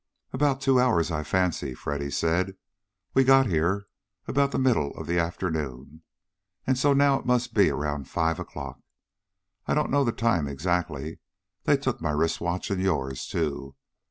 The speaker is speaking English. "About two hours, I fancy," Freddy said. "We got here about the middle of the afternoon, so now it must be around five o'clock. I don't know the time, exactly. They took my wrist watch, and yours, too.